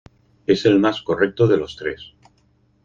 Es el más correcto de los tres.